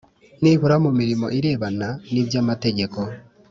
Nibura mu mirimo irebana n’iby’amategeko